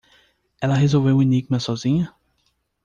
Ela resolveu o enigma sozinha?